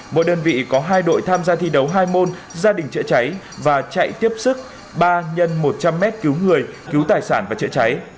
mỗi đơn vị có hai đội tham gia thi đấu hai môn gia đình chữa cháy và chạy tiếp sức ba x một trăm linh m cứu người cứu tài sản và chữa cháy